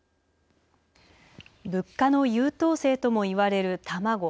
物価の優等生ともいわれる卵。